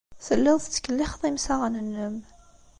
Telliḍ tettkellixeḍ imsaɣen-nnem.